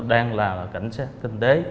đang là cảnh sát kinh tế